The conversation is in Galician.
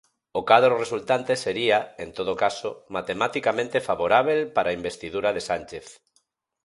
O cadro resultante sería, en todo caso, matematicamente favorábel para a investidura de Sánchez.